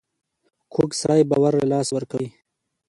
کوږ سړی باور له لاسه ورکوي